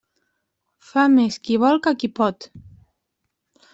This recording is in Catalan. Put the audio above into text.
Fa més qui vol que qui pot.